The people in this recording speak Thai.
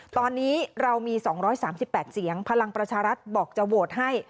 ตอนนี้เรามี๒๓๘เสียงพลังประชารัฐบอกจะโหวตให้